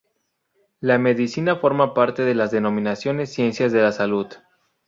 La medicina forma parte de las denominadas ciencias de la salud.